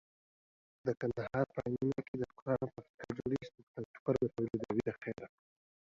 دا د کندهار عينو مينه کې ده ټوکر د تولید فابريکه جوړيږي